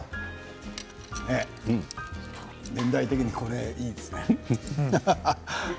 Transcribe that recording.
年齢的にこれはいいですね。